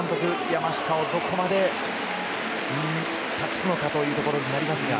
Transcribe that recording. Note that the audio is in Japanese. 山下にどこまで託すのかということになりますが。